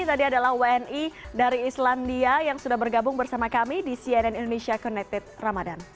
tadi adalah wni dari islandia yang sudah bergabung bersama kami di cnn indonesia connected ramadan